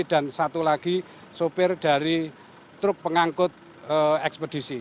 dan satu lagi sopir dari truk pengangkut ekspedisi